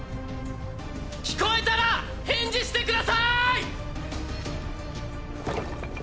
聞こえたら返事してくださいッ。